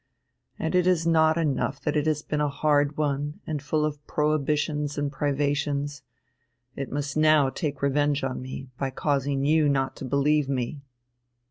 And it is not enough that it has been a hard one, and full of prohibitions and privations; it must now take revenge on me, by causing you not to believe me."